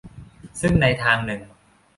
ซึ่งในทางนึง